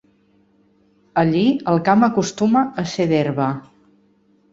Allí, el camp acostuma a ser d'herba.